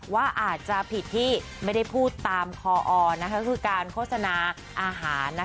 ว่าอาจจะผิดที่ไม่ได้พูดตามคออคือการโฆษณาอาหาร